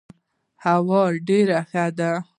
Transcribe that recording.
هوا ډيره ښه ده.